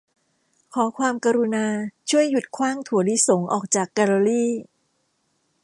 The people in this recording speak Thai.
ขอความกรุณาช่วยหยุดขว้างถั่วลิสงออกจากแกลเลอรี